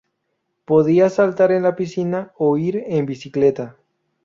Podías saltar en la piscina o ir en bicicleta...